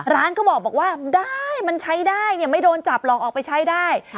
ร้านก็บอกว่าได้มันใช้ได้เนี่ยไม่โดนจับหรอกออกไปใช้ได้